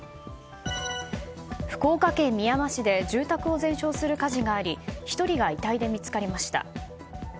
福岡県みやま市で住宅を全焼する火事があり１人が遺体が見つかりました。